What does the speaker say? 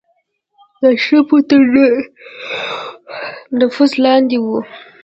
د اشرافو تر نفوذ لاندې وه.